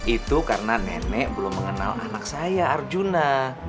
itu karena nenek belum mengenal anak saya arjuna